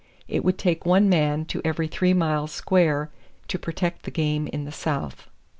It would take one man to every three miles square to protect the game in the South.